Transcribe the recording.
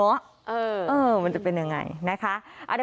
เออมันจะเป็นยังไงนะคะ